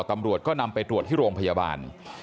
ตำรวจก็นำไปตรวจที่โรงพยาบาล